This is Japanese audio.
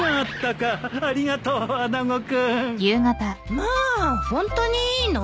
まあホントにいいの？